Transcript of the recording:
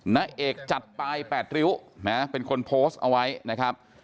นายเอกจัดปลาย๘ริ้วนะเป็นคนโพสต์เอาไว้นะครับ